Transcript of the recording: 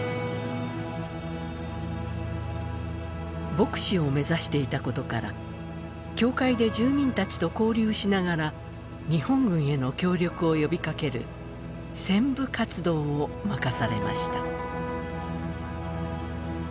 牧師を目指していたことから教会で住民たちと交流しながら日本軍への協力を呼びかける宣ぶ活動を任されました。